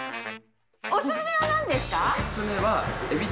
お勧めは何ですか？